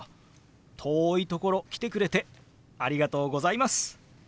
遠いところ来てくれてありがとうございます。